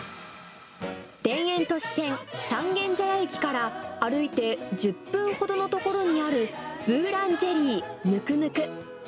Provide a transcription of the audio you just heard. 田園都市線三軒茶屋駅から歩いて１０分ほどの所にある、ブーランジェリーヌクムク。